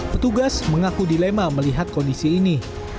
petugas mengaku dilema melihat kondisi ini